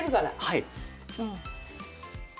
はい。